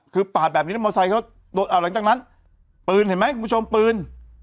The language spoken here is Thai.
คือปากแบบนี้มอเซย์เขาเอาอะไรจากนั้นปืนไหมคุณผู้ชมปืน